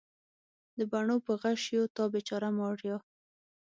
د بڼو په غشیو تا بیچاره ماریا